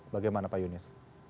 bagaimana pak yudhoy